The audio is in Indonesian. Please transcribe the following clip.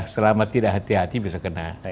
selama tidak hati hati bisa kena